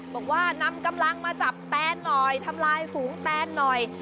บอกว่านำกำลังมาจับแตนหน่อยทำลายฝูงแตนหน่อย